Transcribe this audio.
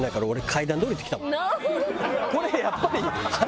これやっぱり。